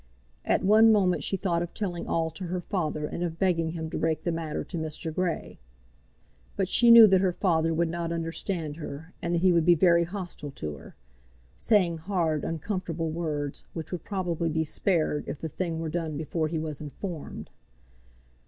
At one moment she thought of telling all to her father and of begging him to break the matter to Mr. Grey; but she knew that her father would not understand her, and that he would be very hostile to her, saying hard, uncomfortable words, which would probably be spared if the thing were done before he was informed.